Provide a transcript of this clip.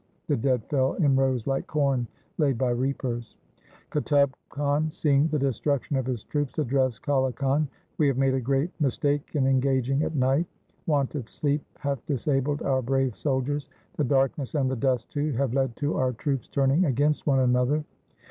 The dead fell in rows like corn laid by reapers. Outub Khan, seeing the destruction of his troops, addressed Kale Khan, ' We have made a great mis take in engaging at night. Want of sleep hath disabled our brave soldiers. The darkness and the dust, too, have led to our troops turning against one another.